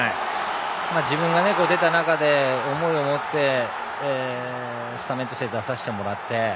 自分が出た中で思いを持ってスタメンとして出させてもらって。